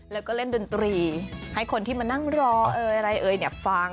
แล้วก็เล่นดนตรีให้คนที่มานั่งรอเอ่ยอะไรเอ่ยฟัง